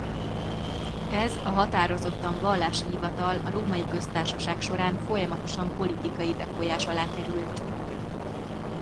Ez a határozottan vallási hivatal a Római Köztársaság során folyamatosan politikai befolyás alá került.